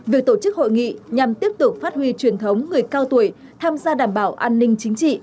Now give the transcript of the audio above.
việc tổ chức hội nghị nhằm tiếp tục phát huy truyền thống người cao tuổi tham gia đảm bảo an ninh chính trị